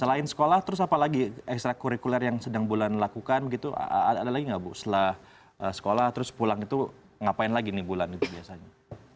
selain sekolah terus apalagi ekstra kurikuler yang sedang bulan lakukan gitu ada lagi nggak bu setelah sekolah terus pulang itu ngapain lagi nih bulan itu biasanya